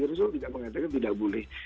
rasulul tidak mengatakan tidak boleh